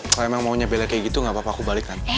kalau emang maunya bella kayak gitu gak apa apa aku balik tante